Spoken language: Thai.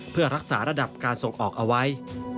เพื่อรักษาระดับการส่งออกเอาไว้